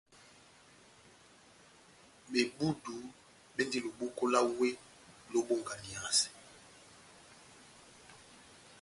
Bebudu bendi loboko lá wéh lobonganiyasɛ.